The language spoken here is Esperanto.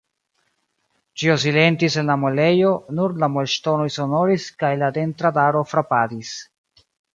Ĉio silentis en la muelejo, nur la muelŝtonoj sonoris kaj la dentradaro frapadis.